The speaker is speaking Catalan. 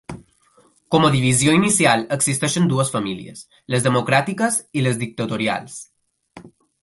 Com a divisió inicial, existeixen dues famílies: les democràtiques i les dictatorials.